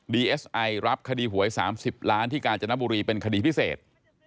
เอสไอรับคดีหวย๓๐ล้านที่กาญจนบุรีเป็นคดีพิเศษ